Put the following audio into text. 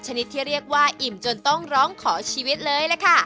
ชนิดที่เรียกว่าอิ่มจนต้องร้องขอชีวิตเลยล่ะค่ะ